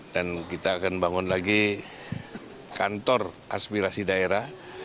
dan kita akan bangun lagi kantor aspirasi daerah